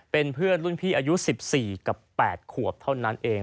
เป็นเพื่อนรุ่นพี่อายุ๑๔กับ๘ขวบเท่านั้นเอง